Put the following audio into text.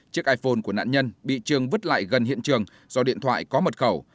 chiếc iphone của nạn nhân bị trương vứt lại gần hiện trường do điện thoại có mật khẩu